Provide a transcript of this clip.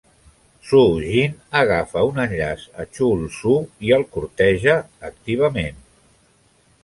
Su-jin agafa un enllaç a Chul-soo i el corteja activament.